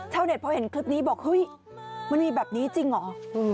ชาวเน็ตพอเห็นคลิปนี้บอกนี่มันมีแบบนี้จริงเหรอ